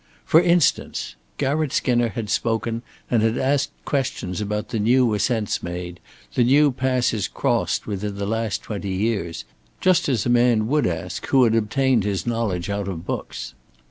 For instance: Garratt Skinner had spoken and had asked questions about the new ascents made, the new passes crossed within the last twenty years, just as a man would ask who had obtained his knowledge out of books.